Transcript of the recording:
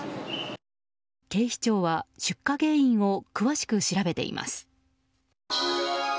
警視庁は出火原因を詳しく調べています。